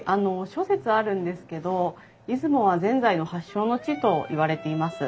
諸説あるんですけど出雲はぜんざいの発祥の地といわれています。